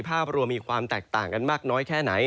ภาพรวมมีความแตกต่างกันมากน้อยแค่ไหน